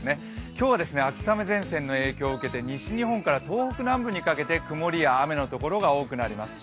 今日は秋雨前線の影響を受けて西日本から東北南部にかけて曇りや雨のところが多くなります。